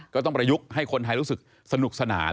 ก็ต้องประยุกต์ให้คนไทยรู้สึกสนุกสนาน